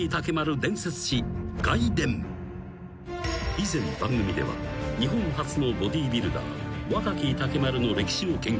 ［以前番組では日本初のボディビルダー若木竹丸の歴史を研究］